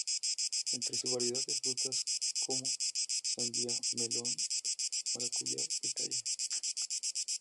Entre una variedad de frutas como: Sandía, Melón, Maracuyá, Pitahaya.